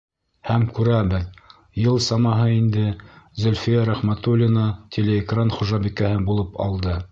Һәм күрәбеҙ, йыл самаһы инде Зөлфиә Рәхмәтуллина телеэкран хужабикәһе булып алды.